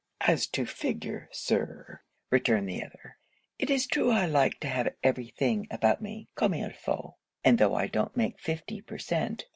'As to figure, Sir,' returned the other, 'it is true I like to have every thing about me comme il faut. And though I don't make fifty per cent.